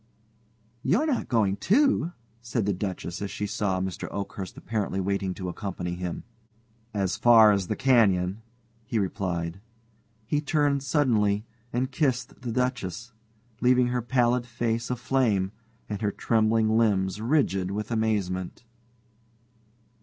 "You are not going, too?" said the Duchess as she saw Mr. Oakhurst apparently waiting to accompany him. "As far as the canyon," he replied. He turned suddenly, and kissed the Duchess, leaving her pallid face aflame and her trembling limbs rigid with amazement.